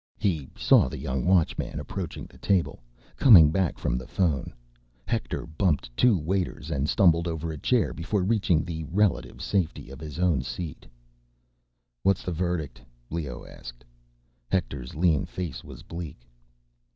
He saw the young Watchman approaching the table, coming back from the phone. Hector bumped two waiters and stumbled over a chair before reaching the relative safety of his own seat. "What's the verdict?" Leoh asked. Hector's lean face was bleak.